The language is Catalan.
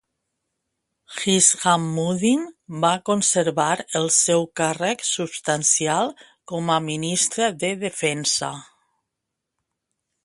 Hishammuddin va conservar el seu càrrec substancial com a ministre de Defensa.